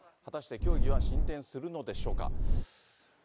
果たして協議は進展するのでしょうか。